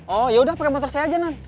oh yaudah pakai motor saya aja nanti